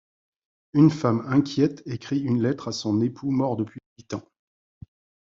Une femme inquiète écrit une lettre à son époux mort depuis huit ans.